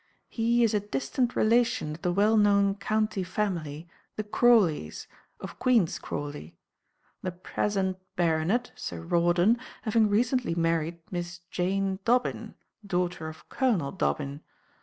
He is a distant relation of the well known county family, the Crawleys, of Queen's Crawley; the present baronet, Sir Rawdon, having recently married Miss Jane Dobbin, daughter of Colonel Dobbin.